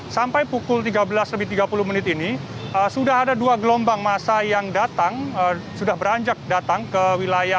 sampai pukul tiga belas lebih tiga puluh menit ini sudah ada dua gelombang masa yang datang sudah beranjak datang ke wilayah